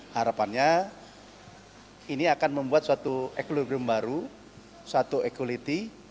harapannya ini akan membuat suatu ekologi baru suatu ekualiti